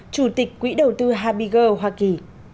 chủ tịch quỹ đầu tư harbinger hoa kỳ